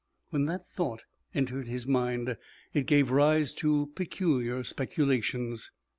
When that thought entered his mind, it gave rise to peculiar speculations.